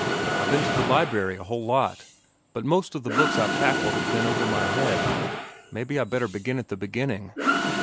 I've ben to the library a whole lot, but most of the books I've tackled have ben over my head. Mebbe I'd better begin at the beginnin'.